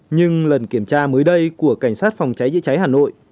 nhưng lần kiểm tra mới đây của cảnh sát phòng cháy chữa cháy hà nội